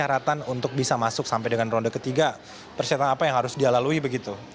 persyaratan untuk bisa masuk sampai dengan ronde ketiga persyaratan apa yang harus dia lalui begitu